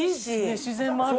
自然もあるし。